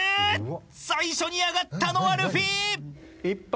最初にあがったのはルフィ。